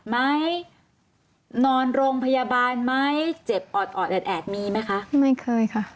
นอนโรงพยาบาลไหมเจ็บออดออดแอดแอดมีไหมคะไม่เคยค่ะ